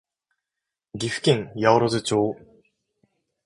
岐阜県八百津町